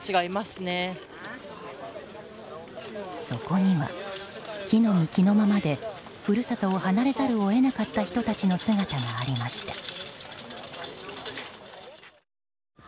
そこには着の身着のままで故郷を離れざるを得なかった人たちの姿がありました。